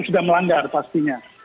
sudah melanggar pastinya